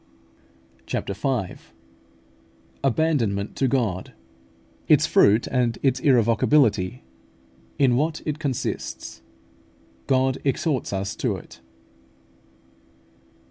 CHAPTER V. ABANDONMENT TO GOD ITS FRUIT AND ITS IRREVOCABILITY IN WHAT IT CONSISTS GOD EXHORTS US TO IT.